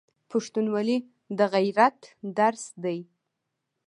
پښتونولي د غیرت درس دی.